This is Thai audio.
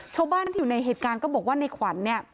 ชาวบ้านที่อยู่ในเหตุการณ์ก็บอกว่าในขวัญเนี่ย